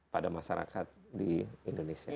pada masyarakat di indonesia